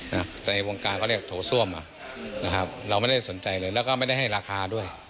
ในวงการเขาเรียกโถส้วมอ่ะนะครับเราไม่ได้สนใจเลยแล้วก็ไม่ได้ให้ราคาด้วย